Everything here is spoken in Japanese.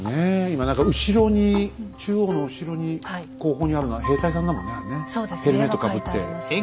今何か後ろに中央の後ろに後方にあるのは兵隊さんだもんねあれね。